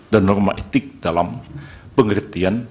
dan norma etik dalam pengertian